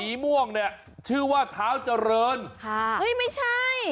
ม่วงเนี่ยชื่อว่าเท้าเจริญค่ะเฮ้ยไม่ใช่